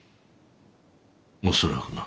恐らくな。